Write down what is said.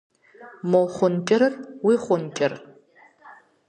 Мо хъун кӏырыр уи хъун кӏыр?